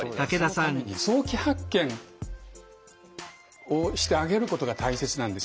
そのために早期発見をしてあげることが大切なんですよ。